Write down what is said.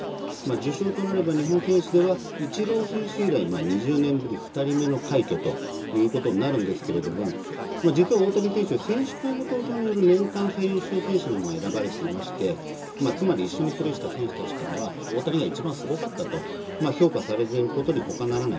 受賞となれば、日本選手ではイチロー選手以来、２０年ぶり２人目の快挙ということになるんですけれども、実は大谷選手、選手会の投票による年間最優秀選手にも選ばれておりまして、つまり一緒にプレーした選手からは、大谷がいちばんすごかったと評価されていることにほかならない。